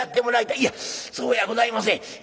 「いやそうやございません。